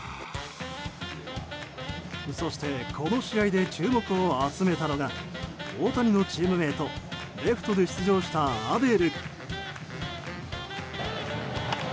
そしてこの試合で注目を集めたのが大谷のチームメートレフトで出場したアデル。